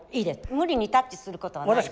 無理にタッチすることはないです。